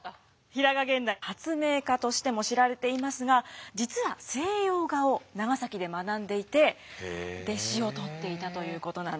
平賀源内発明家としても知られていますが実は西洋画を長崎で学んでいて弟子を取っていたということなんです。